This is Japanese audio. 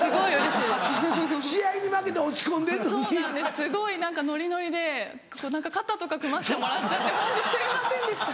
すごい何かノリノリで肩とか組ませてもらっちゃってホントすいませんでした。